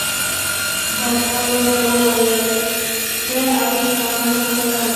باچا ورته وویل ته او ستا نازک بدن.